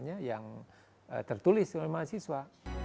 yang tertulis oleh mahasiswa